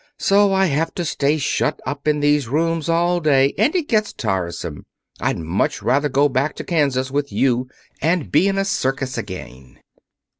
So I have to stay shut up in these rooms all day, and it gets tiresome. I'd much rather go back to Kansas with you and be in a circus again."